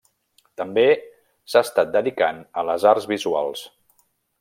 També s'ha estat dedicant a les arts visuals.